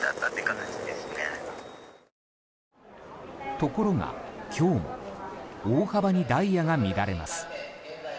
ところが、今日も大幅にダイヤが乱れます。